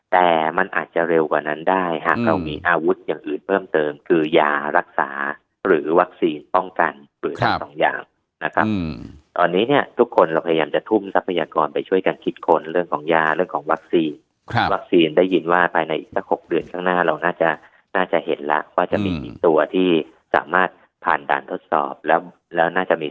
แต่มันอาจจะเร็วกว่านั้นได้หากเรามีอาวุธอย่างอื่นเพิ่มเติมคือยารักษาหรือวัคซีนป้องกันหรือทั้งสองอย่างนะครับตอนนี้เนี่ยทุกคนเราพยายามจะทุ่มทรัพยากรไปช่วยกันคิดค้นเรื่องของยาเรื่องของวัคซีนวัคซีนได้ยินว่าภายในอีกสัก๖เดือนข้างหน้าเราน่าจะน่าจะเห็นแล้วว่าจะมีกี่ตัวที่สามารถผ่านด่านทดสอบแล้วแล้วน่าจะมี